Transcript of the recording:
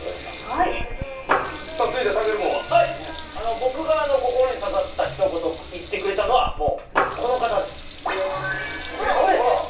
僕が心に刺さった一言を言ってくれたのはこの方です。